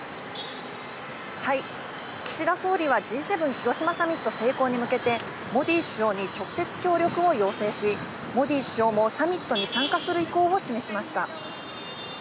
岸田総理はＧ７広島サミット成功に向けて、モディ首相に直接協力を要請し、モディ首相もサミットに参加する意向を示しました。